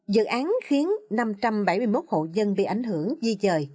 dự án khiến năm trăm bảy mươi một hộ dân bị ảnh hưởng di dời